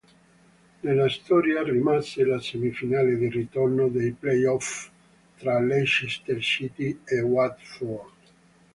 Nella storia rimase la semifinale di ritorno dei playoff tra Leicester City e Watford.